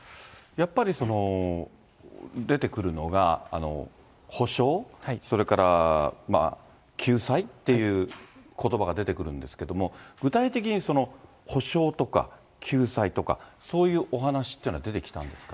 やっぱり出てくるのが補償、それからまあ、救済っていうことばが出てくるんですけども、具体的に補償とか救済とか、そういうお話っていうのは出てきたんですか。